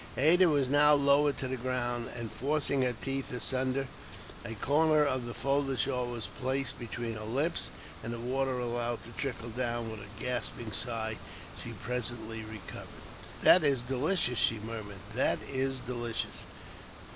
Ada was now lowered to the ground and, forcing her teeth asunder, a corner of the folded shawl was placed between her lips, and the water allowed to trickle down. With a gasping sigh, she presently recovered. "That is delicious," she murmured. "That is delicious."